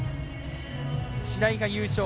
白井が優勝。